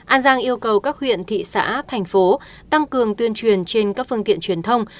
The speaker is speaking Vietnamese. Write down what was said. an giang yêu cầu các huyện thị xã thành phố tăng cường tuyên truyền trên các phương tiện truyền thông